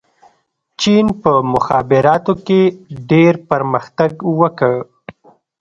چین په مخابراتو کې ډېر پرمختګ وکړ.